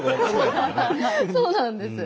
そうなんです。